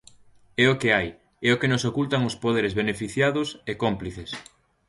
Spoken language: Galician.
É o que hai, é o que nos ocultan os poderes beneficiados e cómplices.